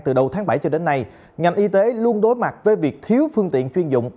từ đầu tháng bảy cho đến nay ngành y tế luôn đối mặt với việc thiếu phương tiện chuyên dụng